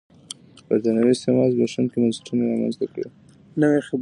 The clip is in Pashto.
برېټانوي استعمار زبېښونکي بنسټونه رامنځته کړل.